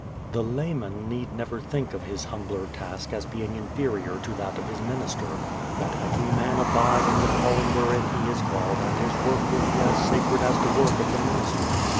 The "layman" need never think of his humbler task as being inferior to that of his minister. Let every man abide in the calling wherein he is called and his work will be as sacred as the work of the ministry.